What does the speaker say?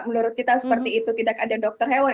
menurut kita seperti itu tidak ada dokter hewan